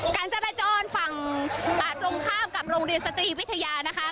การจราจรฝั่งตรงข้ามกับโรงเรียนสตรีวิทยานะคะ